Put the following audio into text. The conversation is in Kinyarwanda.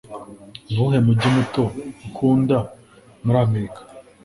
nuwuhe mujyi muto ukunda muri amerika